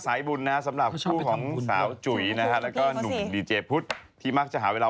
สวยเลยละวาะราศรีเจ้าสาว